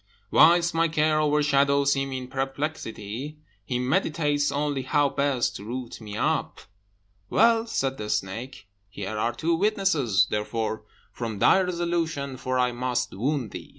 Whilst my care overshadows him in perplexity, He meditates only how best to root me up." "Well," said the snake, "here are two witnesses; therefore, form thy resolution, for I must wound thee."